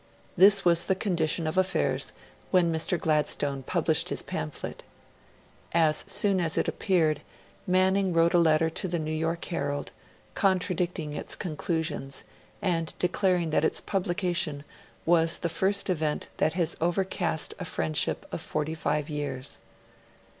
This was the condition of affairs when Mr. Gladstone published his pamphlet. As soon as it appeared, Manning wrote a letter to the New York Herald, contradicting its conclusions and declaring that its publication was 'the first event that has overcast a friendship of forty five years'.